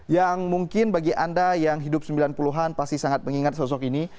yang mungkin bagi anda yang hidup sembilan puluh an pasti sangat mengingat sosok ini